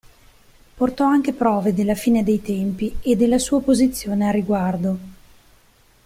Portò anche prove della Fine dei Tempi e della Sua posizione al riguardo.